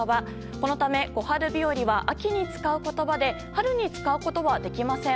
このため、小春日和は秋に使う言葉で春に使うことはできません。